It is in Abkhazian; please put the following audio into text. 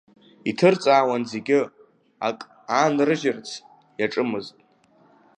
Иҭырҵаауан зегьы, ак аанрыжьырц иаҿымызт.